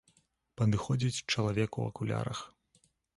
Падыходзіць чалавек у акулярах.